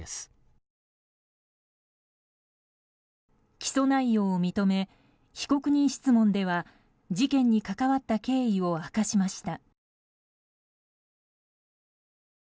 起訴内容を認め被告人質問では事件に関わった経緯を明かしました。